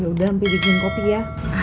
yaudah mp bikin kopi ya